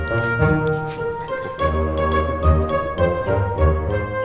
masuk aja be